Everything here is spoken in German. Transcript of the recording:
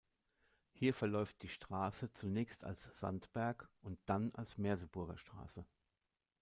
Hier verläuft die Straße zunächst als Sandberg und dann als Merseburger Straße.